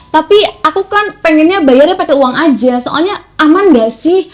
tapi aku kan pengennya bayarnya pakai uang aja soalnya aman gak sih